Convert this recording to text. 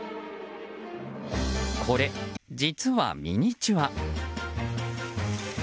これ、実はミニチュア。